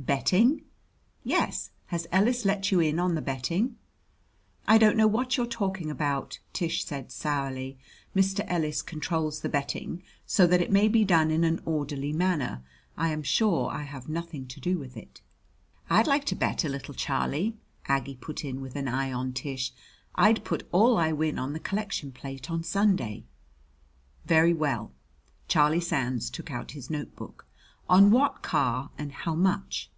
"Betting!" "Yes. Has Ellis let you in on the betting?" "I don't know what you are talking about," Tish said sourly. "Mr. Ellis controls the betting so that it may be done in an orderly manner. I am sure I have nothing to do with it." "I'd like to bet a little, Charlie," Aggie put in with an eye on Tish. "I'd put all I win on the collection plate on Sunday." "Very well." Charlie Sands took out his notebook. "On what car and how much?"